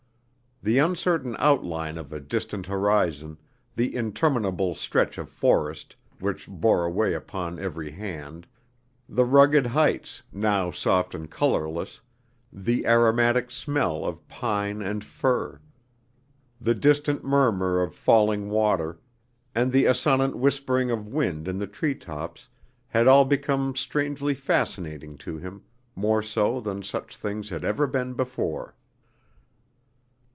The uncertain outline of a distant horizon; the interminable stretch of forest, which bore away upon every hand; the rugged heights, now soft and colorless; the aromatic smell of pine and fir; the distant murmur of falling water; and the assonant whispering of wind in the tree tops, had all become strangely fascinating to him, more so than such things had ever been before.